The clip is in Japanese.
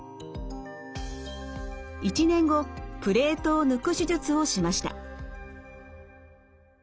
１年後プレートを抜く手術をしました。